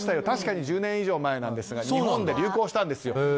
確かに１０年以上前ですが日本で流行したんですよ。